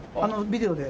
ビデオで。